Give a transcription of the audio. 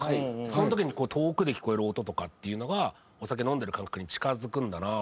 その時に遠くで聞こえる音とかっていうのがお酒飲んでる感覚に近付くんだなと思って今の聴いて。